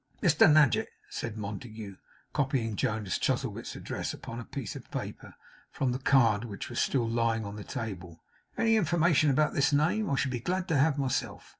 'Mr Nadgett,' said Montague, copying Jonas Chuzzlewit's address upon a piece of paper, from the card which was still lying on the table, 'any information about this name, I shall be glad to have myself.